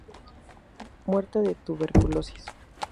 Muerta de tuberculosis.